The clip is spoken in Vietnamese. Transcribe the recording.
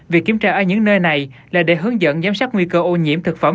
việc kiểm tra ở những nơi này là để hướng dẫn giám sát nguy cơ ô nhiễm thực phẩm